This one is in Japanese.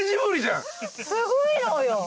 すごいのよ。